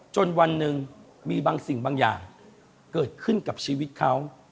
จนวันหนึ่งมีบางสิ่งบางอย่างเกิดขึ้นกับชีวิตเขา